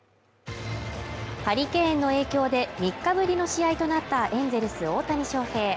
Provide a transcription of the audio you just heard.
ハリケーンの影響で３日ぶりの試合となったエンゼルス大谷翔平